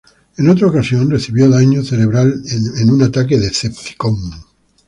En otra ocasión recibió daño cerebral en un ataque Decepticon.